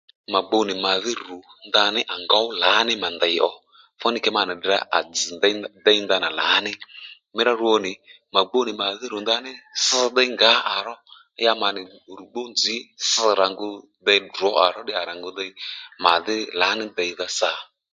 Mà gbu nì màdhí rù ndaní à ngǒw lǎní mà ndèy ò fúnì kě ma nì tdrà à dzz̀ déy ndanà lǎní mírá rwo nì mà gbú nì màdhí rù ndaní ss déy ngǎ à ró ya mà nì rù gbu nzǐ ss rà dey drǒ à ró à ngu dey màdhí lǎní deydha sà